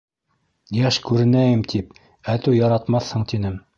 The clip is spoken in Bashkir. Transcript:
Йәш күренәйем тип, әтү яратмаҫһың тинем.